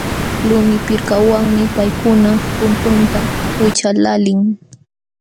Lumi pirkawanmi paykuna puntunta wićhqaqlaalin.